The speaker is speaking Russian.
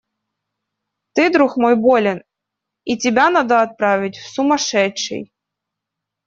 Ты, друг мой, болен, и тебя надо отправить в сумасшедший.